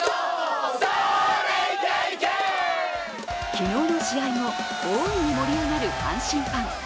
昨日の試合後、大いに盛り上がる阪神ファン。